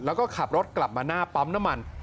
แล้วก็ขับรถกลับมาหน้าปั๊มน้ำมัน